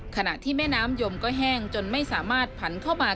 ขณะที่แม่น้ำยมก็แห้งจนไม่สามารถผันเข้ามา